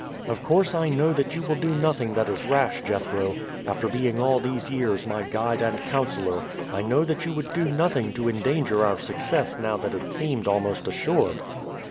"Of course I know that you will do nothing that is rash, Jethro. After being all these years my guide and counselor, I know that you would do nothing to endanger our success now that it seems almost assured."